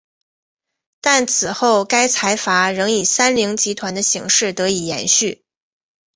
但此后该财阀仍以三菱集团的形式得以延续。